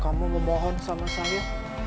kamu membohon sama saya